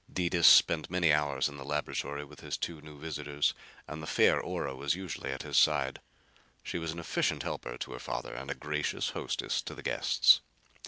Detis spent many hours in the laboratory with his two visitors and the fair Ora was usually at his side. She was an efficient helper to her father and a gracious hostess to the guests.